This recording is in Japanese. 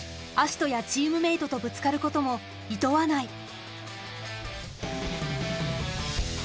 葦人やチームメートとぶつかることもいとわない。